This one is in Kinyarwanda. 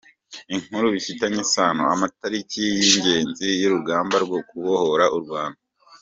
Inkuru bifitanye isano: Amatariki y’ingenzi y’ urugamba rwo kubohora u Rwanda.